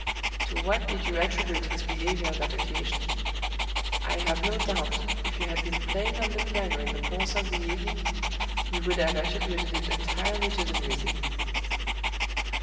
To what did you attribute his behavior that occasion? I have no doubt, if you had been playing on the piano in the course of the evening, you would have attributed it entirely to the music!